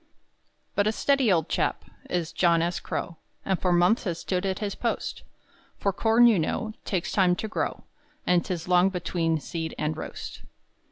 But a steady old chap Is John S. Crow, And for months has stood at his post; For corn you know Takes time to grow, And 'tis long between seed and roast.